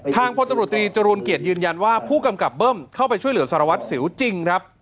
พลตำรวจตรีจรูลเกียรติยืนยันว่าผู้กำกับเบิ้มเข้าไปช่วยเหลือสารวัตรสิวจริงครับ